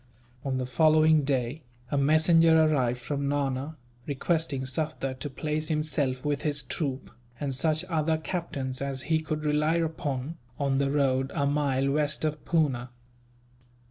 On the following day a messenger arrived from Nana, requesting Sufder to place himself with his troop, and such other captains as he could rely upon, on the road a mile west of Poona.